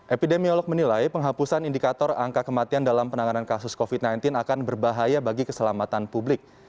epidemiolog menilai penghapusan indikator angka kematian dalam penanganan kasus covid sembilan belas akan berbahaya bagi keselamatan publik